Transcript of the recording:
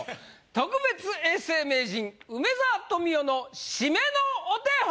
特別永世名人梅沢富美男の締めのお手本！